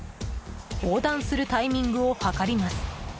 横断するタイミングを計ります。